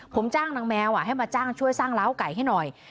ผมจ้างนางแมวให้มาจ้างช่วยสร้างล้าวไก่ให้หน่อย